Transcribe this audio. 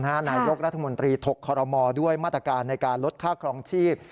นายกรัฐมนตรีถกคอรมอด้วยมาตรการในการลดค่าครองชีพ